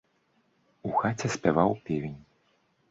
У хаце спяваў певень.